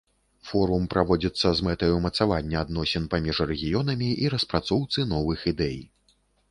Форум праводзіцца з мэтай умацавання адносін паміж рэгіёнамі і распрацоўцы новых ідэй.